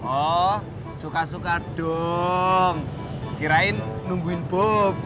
oh suka suka dong kirain nungguin book